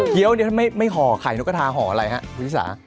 เกี้ยวเนี่ยไม่ห่อไข่นกตาห่ออะไรหรอคุณอาจารย์